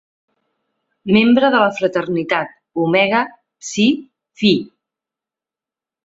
Membre de la fraternitat Omega Psi Phi.